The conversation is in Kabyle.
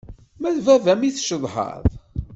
Ma d baba-m i tcedhaḍ?